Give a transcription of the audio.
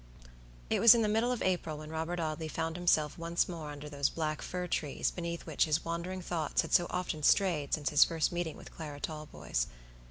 It was in the middle of April when Robert Audley found himself once more under those black fir trees beneath which his wandering thoughts had so often stayed since his first meeting with Clara Talboys.